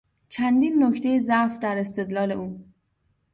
چندین نکتهی ضعف در استدلال او